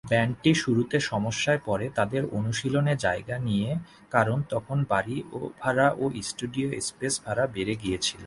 ব্যান্ডটি শুরুতে সমস্যায় পড়ে তাদের অনুশীলনে জায়গা নিয়ে কারণ তখন বাড়ি ভাড়া ও স্টুডিও স্পেস ভাড়া বেড়ে গিয়েছিল।